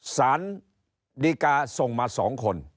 สารดีกาส่งมา๒คน